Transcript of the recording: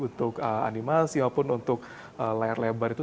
untuk animasi maupun untuk layar lebar itu